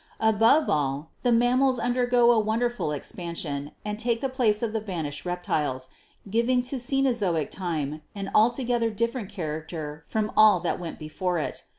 Above all, the Mammals undergo a wonderful expansion and take the place of the vanished reptiles, giving to Ceno zoic time an altogether different character from all that went before it.